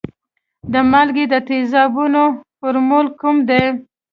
د مالګې د تیزابونو فورمول کوم دی؟